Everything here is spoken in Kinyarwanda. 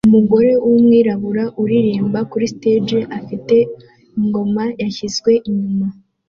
Umugore wumwirabura uririmba kuri stage afite ingoma yashizwe inyuma